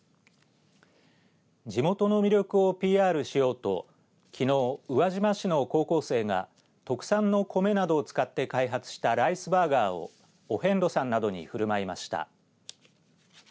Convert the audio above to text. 地元の魅力をＰＲしようときのう宇和島市の高校生が特産の米などを使って開発したライスバーガーをお遍路さんなどにふるまいました。